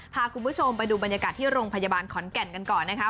พาคุณผู้ชมไปดูบรรยากาศที่โรงพยาบาลขอนแก่นกันก่อนนะคะ